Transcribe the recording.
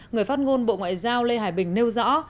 người phát ngôn bộ ngoại giao lê hải bình nêu rõ